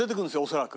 恐らく。